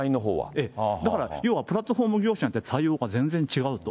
ええ、だから要はプラットフォーム業者によって、対応が違うと。